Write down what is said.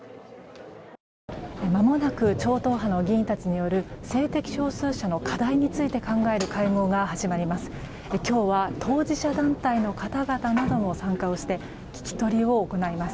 まもなく超党派の議員たちによる性的少数者の課題について考える会合が始まります。